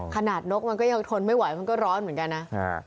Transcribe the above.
นกมันก็ยังทนไม่ไหวมันก็ร้อนเหมือนกันนะ